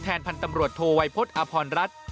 แทนพันธ์ตำรวจโทวัยพจน์อพรรณรัฐ